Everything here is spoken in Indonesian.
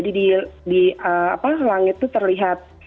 di halang itu terlihat